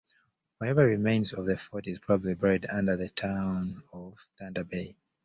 Whatever remains of the fort is probably buried under the town of Thunder Bay.